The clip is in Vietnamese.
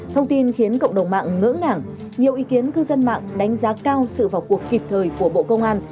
thông tin khiến cộng đồng mạng ngỡ ngàng nhiều ý kiến cư dân mạng đánh giá cao sự vào cuộc kịp thời của bộ công an